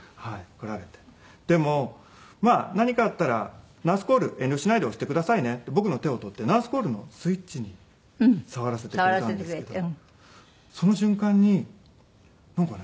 でも「まあ何かあったらナースコール遠慮しないで押してくださいね」って僕の手を取ってナースコールのスイッチに触らせてくれたんですけどその瞬間になんかね